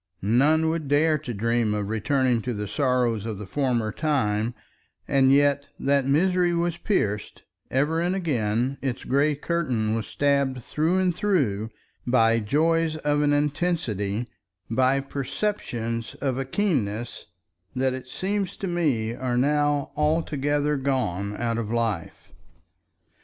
None would dare to dream of returning to the sorrows of the former time, and yet that misery was pierced, ever and again its gray curtain was stabbed through and through by joys of an intensity, by perceptions of a keenness that it seems to me are now altogether gone out of life.